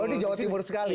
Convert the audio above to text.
oh ini jawa timur sekali